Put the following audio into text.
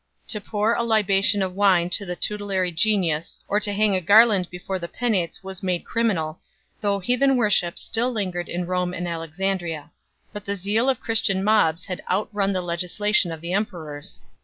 To pour a libation of wine to the tutelary genius or to hang a garland before the penates was made criminal 2 , though heathen worship still lingered in Rome 3 and Alexandria. But the zeal of Christian mobs had outrun the legislation of the emperors.